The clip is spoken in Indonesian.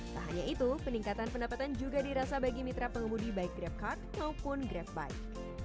tak hanya itu peningkatan pendapatan juga dirasa bagi mitra pengemudi baik grabcard maupun grab bike